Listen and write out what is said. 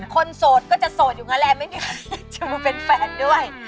โสดก็จะโสดอยู่งั้นแหละไม่มีใครชูมือเป็นแฟนด้วย